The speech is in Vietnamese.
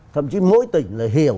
thậm chí mỗi tỉnh là hiểu